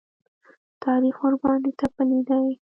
تاریخ ورباندې تپلی دی.